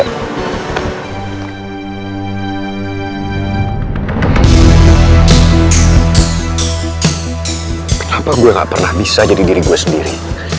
kenapa gue gak pernah bisa jadi diri gue sendiri